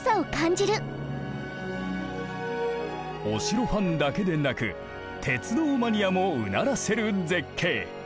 お城ファンだけでなく鉄道マニアもうならせる絶景。